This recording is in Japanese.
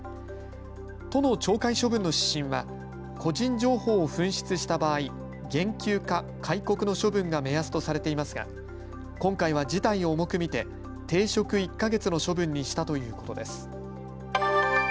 都の懲戒処分の指針は個人情報を紛失した場合、減給か戒告の処分が目安とされていますが今回は事態を重く見て停職１か月の処分にしたということです。